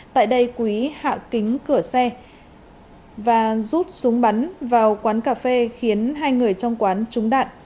tại đây quý hạ kính cửa xe và rút súng bắn vào quán cà phê khiến hai người trong quán trúng đạn